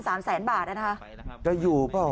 อาทิตย์๘อาทิตย์